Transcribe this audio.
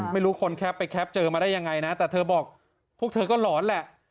ไม่รู้คนแคปไปแคปเจอมาได้ยังไงนะแต่เธอบอกพวกเธอก็หลอนแหละ